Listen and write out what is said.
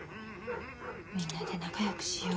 みんなで仲よくしよう。